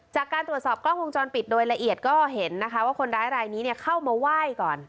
จากการตรวจสอบกล้องวงจรปิดโดยละเอียดก็เห็นนะคะว่าคนร้ายรายนี้เข้ามาไหว้ก่อน